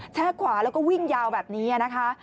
แช่ขวาแล้วก็วิ่งยาวแบบนี้นะคะ